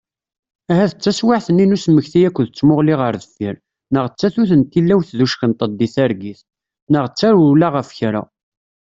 Ahat d taswiɛt-nni n usmekti akked tmuɣli ɣer deffir, neɣ d tatut n tilawt d uckenṭeḍ di targit, neɣ d tarewla ɣef kra.